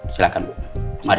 silahkan bu mari